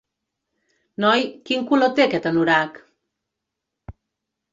Noi, quin color té aquest anorac?